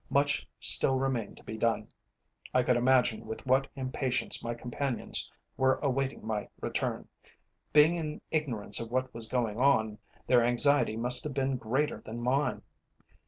Much still remained to be done. I could imagine with what impatience my companions were awaiting my return; being in ignorance of what was going on, their anxiety must have been greater than mine.